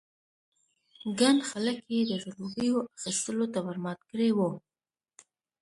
ګڼ خلک یې د ځلوبیو اخيستلو ته ور مات کړي وو.